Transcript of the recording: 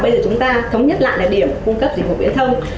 bây giờ chúng ta thống nhất lại là điểm cung cấp dịch vụ viễn thông